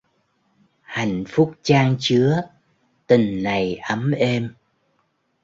Hạnh phúc chan chứa tình này ấm êm.